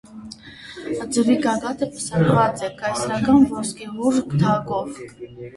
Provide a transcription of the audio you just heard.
Ձվի գագաթը պսակված է կայսերական ոսկեհուռ թագով։